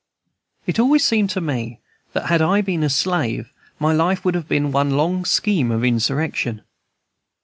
It always seemed to me that, had I been a slave, my life would have been one long scheme of insurrection.